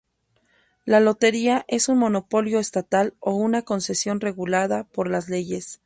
La lotería es un monopolio estatal o una concesión regulada por la leyes.